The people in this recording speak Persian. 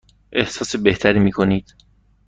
احساس بهتری می کنید؟